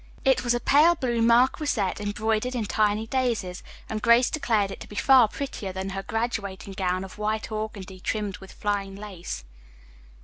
It was a pale blue marquisette embroidered in tiny daisies, and Grace declared it to be far prettier than her graduating gown of white organdie trimmed with fine lace.